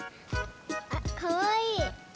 あかわいい！